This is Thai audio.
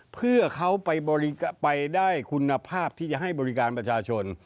เพื่อเขาไปได้คุณภาพที่จะให้บริการประชาชน